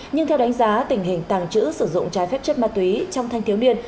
nhưng theo đánh giá tình hình tàng trữ sử dụng trái phép chất ma túy trong thanh thiếu niên